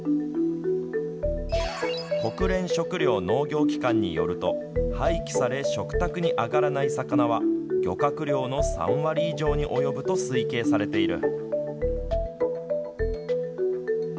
国連食糧農業機関によると廃棄され食卓に上がらない魚は漁獲量の３割以上に及ぶと推計されている。